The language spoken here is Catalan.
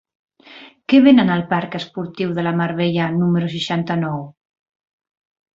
Què venen al parc Esportiu de la Mar Bella número seixanta-nou?